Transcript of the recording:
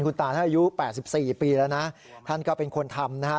คุณตาอายุ๘๔ปีแล้วท่านก็เป็นคนทำ